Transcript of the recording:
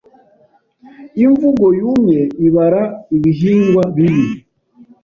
Imvugo yumye ibara ibihingwa bibi.